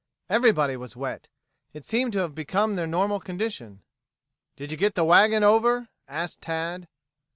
Everybody was wet. It seemed to have become their normal condition. "Did you get the wagon over?" asked Tad.